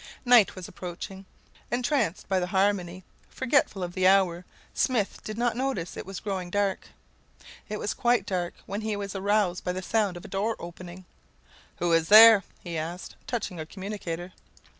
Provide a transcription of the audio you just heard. Night was approaching. Entranced by the harmony, forgetful of the hour, Smith did not notice that it was growing dark. It was quite dark when he was aroused by the sound of a door opening. "Who is there?" he asked, touching a commutator.